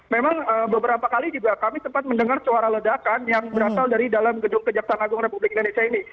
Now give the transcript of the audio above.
memang beberapa kali juga kami sempat mendengar suara ledakan yang berasal dari dalam gedung kejaksaan agung republik indonesia ini